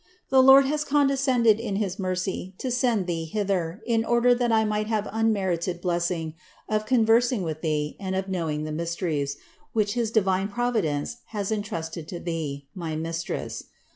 The Lord has condescended in his mercy to send Thee hither, in order that I might have the unmerited blessing of conversing with Thee and of knowing the mysteries, which his divine Providence has entrusted to Thee, my Mistress.